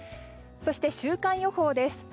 そして週間予報です。